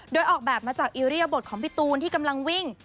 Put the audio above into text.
โดยออกแบบมาจากอิริยบทของพี่ตูนที่กำลังวิ่ง